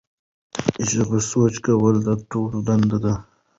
د ژبې سوچه کول د ټولو دنده ده.